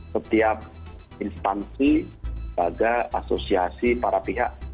setiap instansi baga asosiasi para pihak